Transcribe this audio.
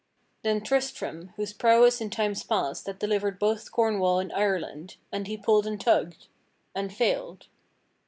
Then Tristram whose prowess in times past had delivered both Corn wall and Ireland, and he pulled and tugged — and failed.